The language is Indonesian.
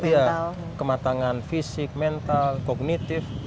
iya kematangan fisik mental kognitif